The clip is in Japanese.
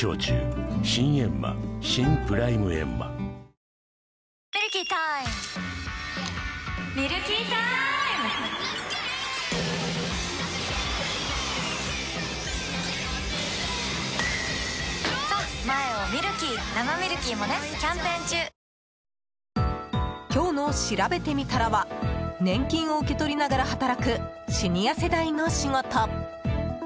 すみません損保ジャパン今日のしらべてみたらは年金を受け取りながら働くシニア世代の仕事。